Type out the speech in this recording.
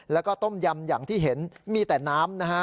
แล้วก็ต้มยำอย่างที่เห็นมีแต่น้ำนะฮะ